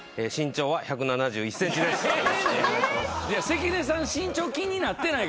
関根さん身長気になってないから。